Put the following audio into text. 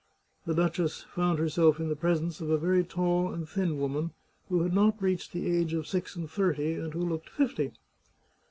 The duchess found herself in the presence of a very tall and thin woman, who had not reached the age of six and thirty, and who looked fifty.